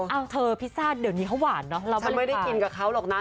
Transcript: เอาเธอพิซซ่าเดี๋ยวนี้เขาหวานเนอะมันไม่ได้กินกับเขาหรอกนะ